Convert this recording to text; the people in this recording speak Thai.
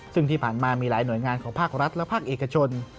ซึ่งที่ผ่านมามีหลายหน่วยงานของภาครัฐและภาคเอกชน